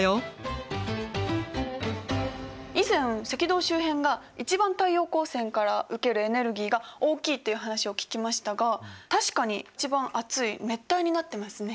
以前赤道周辺が一番太陽光線から受けるエネルギーが大きいという話を聞きましたが確かに一番暑い熱帯になってますね。